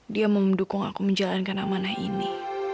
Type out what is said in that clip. dia mau mendukung aku menjalankan amanah ini